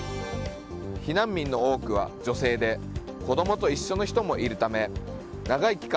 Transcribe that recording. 避難民の多くは女性で子供と一緒の人もいるため長い期間